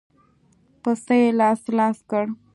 پسه يې لاس لاس کړ.